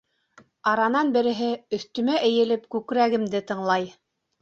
Аранан береһе, өҫтөмә эйелеп, күкрәгемде тыңлай.